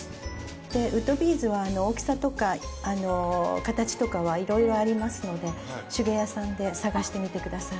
でウッドビーズは大きさとか形とかはいろいろありますので手芸屋さんで探してみてください。